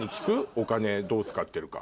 お金どう使ってるか。